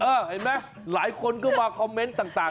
เห็นมั้ยหลายคนมาคอมเมนต์ต่าง